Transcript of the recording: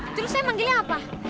terus saya manggilnya apa